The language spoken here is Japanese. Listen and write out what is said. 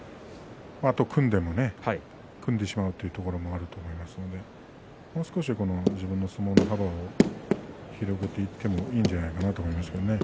あと、組んでも組んでしまうというところもあると思いますしもう少し自分の相撲の幅を広くていってもいいんじゃないかなと思います。